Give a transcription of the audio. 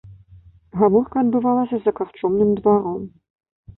Гаворка адбывалася за карчомным дваром.